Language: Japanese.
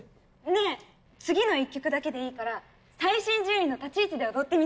ねぇ次の１曲だけでいいから最新順位の立ち位置で踊ってみない？